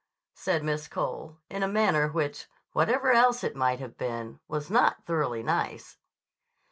said Miss Cole in a manner which, whatever else it might have been, was not thoroughly nice.